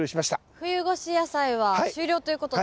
冬越し野菜は終了ということで。